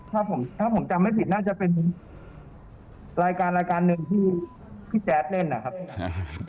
ถ้าผมจำไม่ผิดน่าจะเป็นรายการหนึ่งที่พี่แจ๊ดเล่นนะครับ